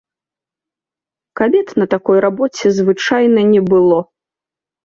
Кабет на такой рабоце звычайна не было.